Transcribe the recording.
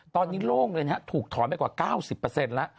ตอนนี้โล่งเลยนะฮะถูกถอนไปกว่า๙๐แล้ว